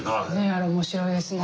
あれ面白いですねえ。